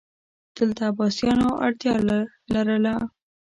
دلته عباسیانو اړتیا لرله